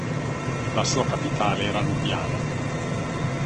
La sua capitale era Lubiana.